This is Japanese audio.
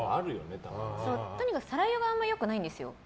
とにかく、さら湯があんまり良くないんですよ。